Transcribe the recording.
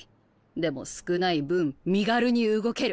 でも少ない分身軽に動ける。